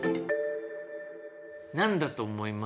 何だと思います？